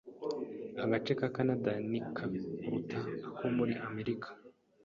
Agace ka Kanada nini kuruta ako muri Amerika.